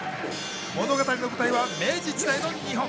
物語の舞台は明治時代の日本。